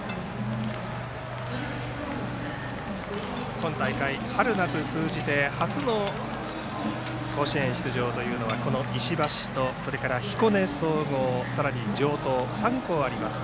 今大会、春夏通じて初の甲子園出場というのは石橋と彦根総合、さらに城東と３校あります。